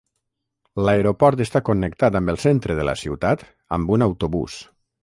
L'aeroport està connectat amb el centre de la ciutat amb un autobús